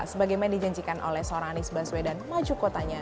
sebagaimana dijanjikan oleh seorang anies baswedan maju kotanya